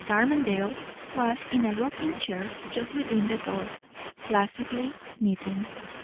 Armadale was in a rocking chair, just within the door, placidly knitting.